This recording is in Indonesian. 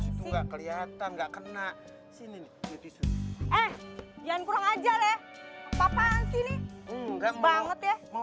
itu enggak kelihatan enggak kena sini eh jangan kurang ajar ya papa ansi nih banget ya mau